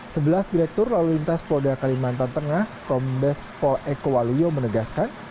sebelas direktur lalu lintas polda kalimantan tengah kombes pol eko waluyo menegaskan